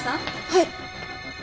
はい！